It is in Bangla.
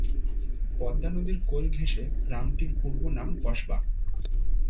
পদ্মা নদীর কোল ঘেঁষে গ্রামটির পূর্ব নাম কসবা।